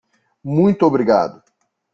Muito obrigado!